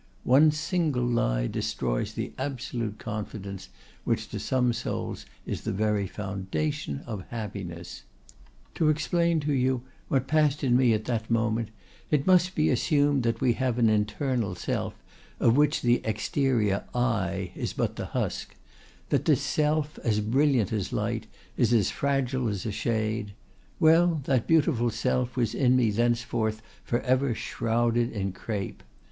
One single lie destroys the absolute confidence which to some souls is the very foundation of happiness. "To explain to you what passed in me at that moment it must be assumed that we have an internal self of which the exterior I is but the husk; that this self, as brilliant as light, is as fragile as a shade—well, that beautiful self was in me thenceforth for ever shrouded in crape.